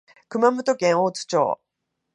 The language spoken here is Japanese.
熊本県大津町